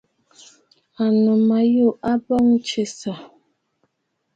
Ànnù ma yû a bɔɔ ntɨ̀nsə̀.